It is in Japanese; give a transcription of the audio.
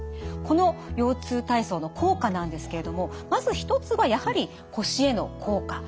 この腰痛体操の効果なんですけれどもまず１つがやはり腰への効果。